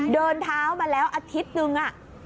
เดินเท้ามาแล้วอาทิตย์นึง